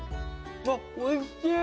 あっおいしい！